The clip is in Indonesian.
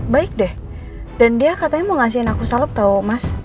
baik deh dan dia katanya mau ngasihin aku salep tau mas